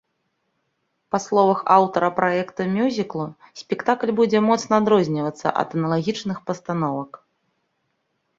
Па словах аўтара праекта мюзіклу, спектакль будзе моцна адрознівацца ад аналагічных пастановак.